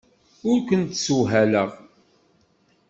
Ur kent-ssewḥaleɣ.